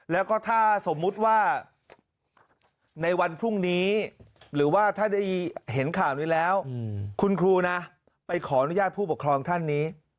แล้วก็ถ้าสมมุติว่าในวันพรุ่งนี้หรือว่าถ้าได้เห็นข่าวนี้แล้วคุณครูนะไปขออนุญาตผู้ปกครองท่านนี้